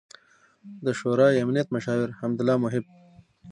، د شورای امنیت مشاور حمد الله محب